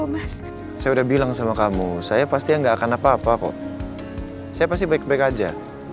mas saya udah bilang sama kamu saya pasti enggak akan apa apa kok saya pasti baik baik aja